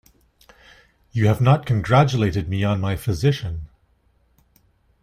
You have not congratulated me on my physician.